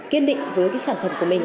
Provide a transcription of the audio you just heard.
kiên định với cái sản phẩm của mình